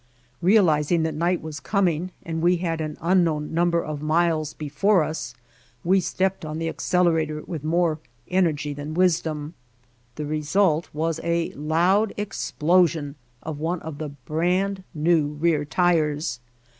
Realizing that night was coming and we had an unknown num ber of miles before us we stepped on the accel erator with more energy than wisdom. The re sult was a loud explosion of one of the brand new rear tires.